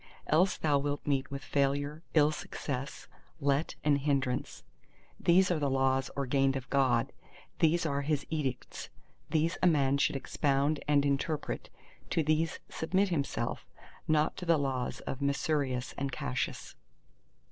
Else thou wilt meet with failure, ill success, let and hindrance. These are the Laws ordained of God—these are His Edicts; these a man should expound and interpret; to these submit himself, not to the laws of Masurius and Cassius.